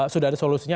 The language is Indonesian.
sudah ada solusinya